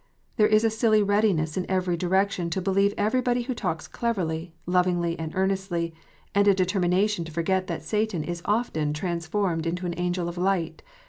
There is a silly readiness in every direc tion to believe everybody who talks cleverly, lovingly, and earnestly, and a determination to forget that Satan is often "transformed into an angel of light."